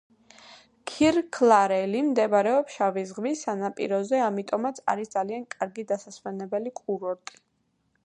ქირქლარელი მდებარეობს შავი ზღვის სანაპიროზე, ამიტომაც არის ძალიან კარგი დასასვენებელი კურორტი.